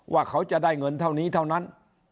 ว่าเขาจะได้เงินเท่านี้เท่านั้น